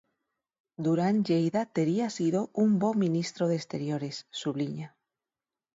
Duran Lleida tería sido un bo ministro de Exteriores, subliña.